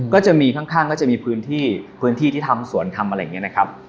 ก็จะมีข้างก็จะมีพื้นที่พื้นที่ที่ทำสวนทำอะไรอย่างนี้นะครับ